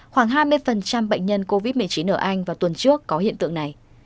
khoảng hai mươi bệnh nhân covid một mươi chín ở anh vào tuần trước có hiện tượng này